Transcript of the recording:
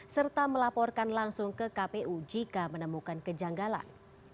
serta melaporkan langsung ke kpu jika menemukan kejanggalan